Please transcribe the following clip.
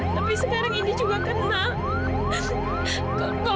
sampai jumpa di video selanjutnya